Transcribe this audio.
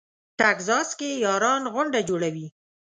ټکزاس کې یاران غونډه جوړوي.